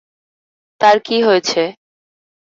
তার কি হয়েছে?